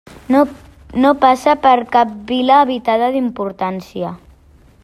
No passa per cap vila habitada d'importància.